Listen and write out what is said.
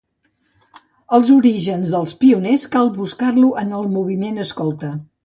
Els orígens dels Pioners cal buscar-lo en el moviment escolta.